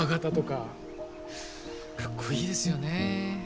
かっこいいですよね。